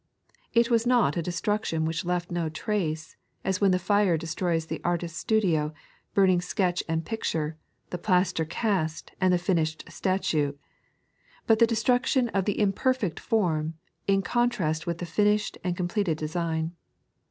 It was not a destruction which left no trace, as when the fire destroys the artist's studio, burning sketch and picture, the plaster cast and the finished statue— but the destruction of the imperfect form in contrast with the finished and completed design.